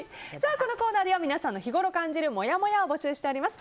このコーナーでは皆さんの日ごろ感じるもやもやを募集しております。